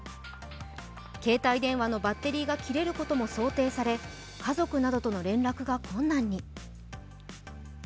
携帯電話のバッテリーが切れることも想定され家族などとの連絡が困難に。